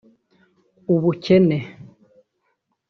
ubukene